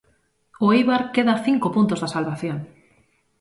O Éibar queda a cinco puntos da salvación.